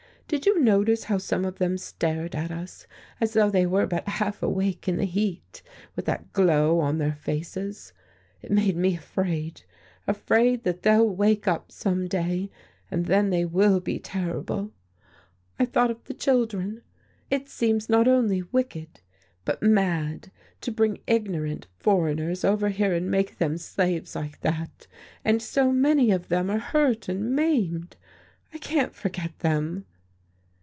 Did you notice how some of them stared at us, as though they were but half awake in the heat, with that glow on their faces? It made me afraid afraid that they'll wake up some day, and then they will be terrible. I thought of the children. It seems not only wicked, but mad to bring ignorant foreigners over here and make them slaves like that, and so many of them are hurt and maimed. I can't forget them."